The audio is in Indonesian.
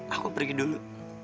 aku pergi dulu